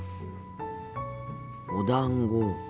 おだんご。